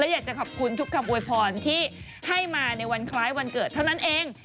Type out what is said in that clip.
อยากจะขอบคุณทุกคำอวยพรที่ให้มาในวันคล้ายวันเกิดเท่านั้นเอง